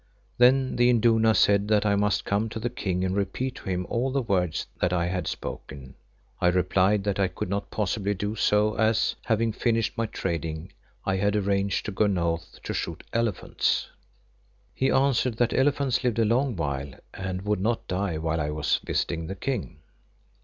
Then the Induna said that I must come to the King and repeat to him all the words that I had spoken. I replied that I could not possibly do so as, having finished my trading, I had arranged to go north to shoot elephants. He answered that elephants lived a long while and would not die while I was visiting the King.